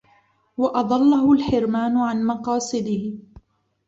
وَأَضَلَّهُ الْحِرْمَانُ عَنْ مَقَاصِدِهِ